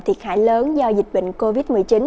thiệt hại lớn do dịch bệnh covid một mươi chín